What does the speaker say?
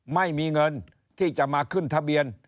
ไม่มีเงินที่จะมาขึ้นทะเบียน